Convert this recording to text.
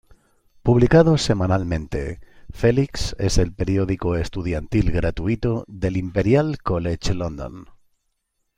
Publicado semanalmente, Felix es el periódico estudiantil gratuito del Imperial College London.